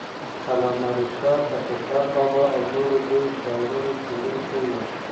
علامه رشاد د خوشال بابا او نورو لویو شاعرانو څېړونکی وو.